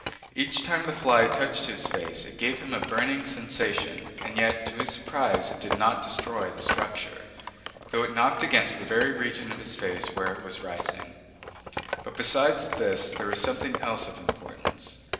Each time the fly touched his face it gave him a burning sensation and yet to his surprise it did not destroy the structure, though it knocked against the very region of his face where it was rising. But besides this there was something else of importance.